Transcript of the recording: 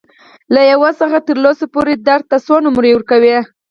له یو څخه تر لسو پورې درد ته څو نمرې ورکوئ؟